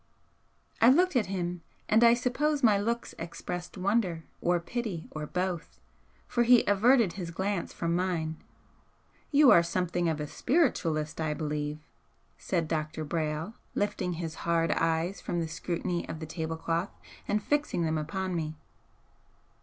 I looked at him, and I suppose my looks expressed wonder or pity or both, for he averted his glance from mine. "You are something of a spiritualist, I believe?" said Dr. Brayle, lifting his hard eyes from the scrutiny of the tablecloth and fixing them upon me.